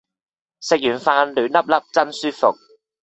吃完飯暖粒粒真舒服